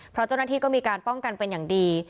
เพราะเจ้าหน้าที่ก็มีการป้องกันเป็นอย่างดี